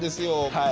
はい。